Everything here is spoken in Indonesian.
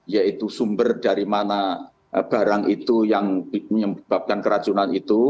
yaitu sumber dari mana barang itu yang menyebabkan keracunan itu